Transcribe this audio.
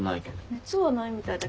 熱はないみたいだけど。